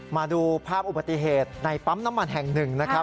มาดูภาพอุบัติเหตุในปั๊มน้ำมันแห่งหนึ่งนะครับ